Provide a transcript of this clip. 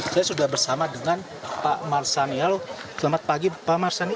saya sudah bersama dengan pak marsanial selamat pagi pak marsani